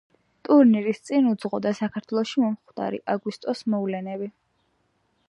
ტურნირს წინ უძღოდა საქართველოში მომხდარი აგვისტოს მოვლენები.